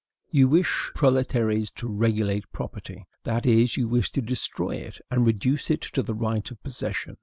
You wish, proletaires, to REGULATE PROPERTY; that is, you wish to destroy it and reduce it to the right of possession.